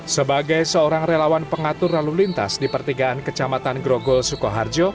sebagai seorang relawan pengatur lalu lintas di pertigaan kecamatan grogol sukoharjo